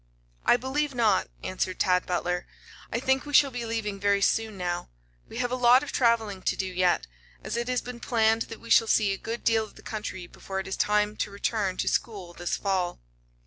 "I believe not," answered Tad Butler. "I think we shall be leaving very soon now. We have a lot of traveling to do yet, as it has been planned that we shall see a good deal of the country before it is time to return to school this fall."